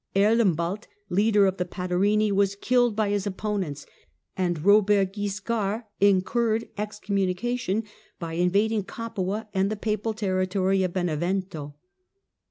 Erlembald, leader of the Patarini, was killed by his opponents, and Eobert Guiscard incurred excommunication by invading Capua and the papal territory of Benevento.